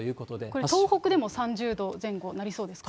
これ、東北でも３０度前後なりそうですか？